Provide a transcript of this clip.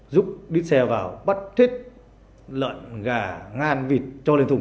giúp đứt xe vào bắt thuyết lợn gà ngan vịt cho lên thùng